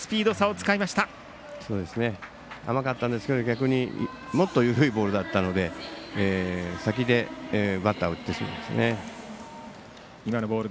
甘かったですけど逆にもっと緩いボールだったので先でバッターは打ってしまいましたね。